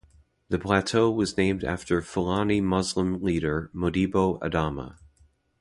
The plateau was named after Fulani Muslim leader Modibo Adama.